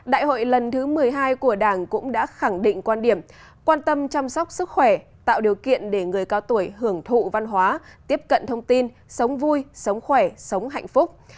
đại hội lần thứ một mươi hai của đảng cũng đã khẳng định quan điểm quan tâm chăm sóc sức khỏe tạo điều kiện để người cao tuổi hưởng thụ văn hóa tiếp cận thông tin sống vui sống khỏe sống hạnh phúc